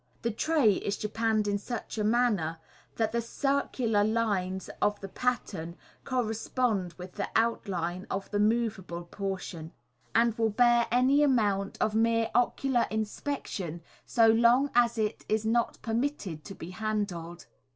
The tray is japanned in such manner that the circular lines of the pattern correspond with the outline of the moveable portion, and will bear any amount of mere ocular inspection, so long as it is not per mitted to be handled.